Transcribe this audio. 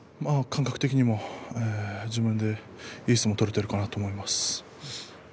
感覚的にも自分でいい相撲が取れているなと思います。